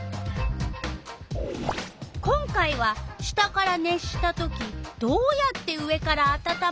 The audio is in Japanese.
今回は「下から熱したときどうやって上からあたたまるのか？」